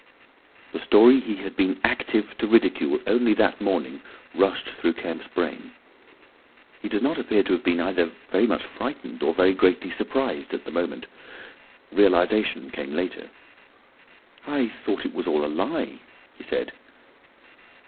The story he had been active to ridicule only that morning rushed through Kemp's brain. He does not appear to have been either very much frightened or very greatly surprised at the moment. Realisation came later. "I thought it was all a lie," he said.